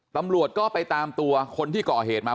ตำรวจก็ไปตามตัวคนที่ก่อเหตุมา